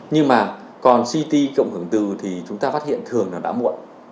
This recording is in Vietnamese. nhưng mà còn ct cộng hưởng từ thì chúng ta phát hiện thường là đã muộn